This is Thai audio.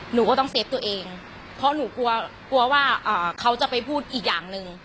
หนูก็ต้องเซฟตัวเองเพราะหนูกลัวกลัวว่าเขาจะไปพูดอีกอย่างหนึ่ง